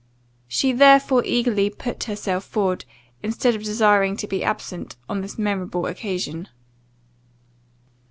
[She therefore eagerly put herself forward, instead of desiring to be absent, on this memorable occasion.